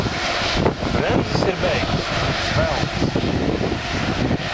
Bremzes ir beigtas! Velns!